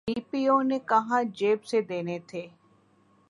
D P O نے کہاں جیب سے دینے تھے۔